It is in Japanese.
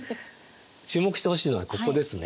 注目してほしいのはここですね